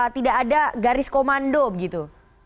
tidak ada garis komando begitu